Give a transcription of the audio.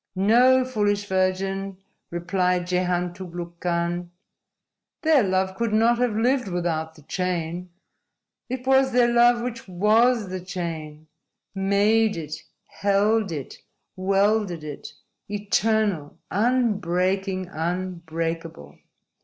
_ _"No, Foolish Virgin," replied Jehan Tugluk Khan. "Their love could not have lived without the chain. It was their love which WAS the chain made it, held it, welded it, eternal, unbreaking, unbreakable.